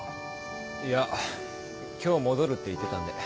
いや今日戻るって言ってたんで。